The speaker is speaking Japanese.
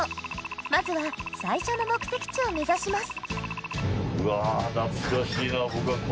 まずは最初の目的地を目指しますうわ。